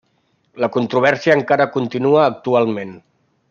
La controvèrsia encara continua actualment.